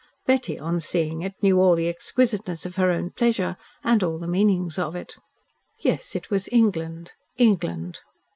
Betty, in seeing it, knew all the exquisiteness of her own pleasure, and all the meanings of it. Yes, it was England England.